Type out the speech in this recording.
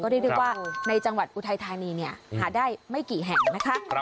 เรียกได้ว่าในจังหวัดอุทัยธานีเนี่ยหาได้ไม่กี่แห่งนะคะ